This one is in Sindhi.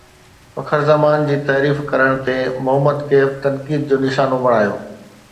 فخر زمان جي تعريف ڪرڻ تي محمد ڪيف تنقيد جو نشانو بڻايو